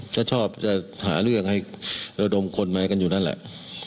ก็ชอบจะหาเรื่องให้ระดมคนมากันอยู่นั่นแหละ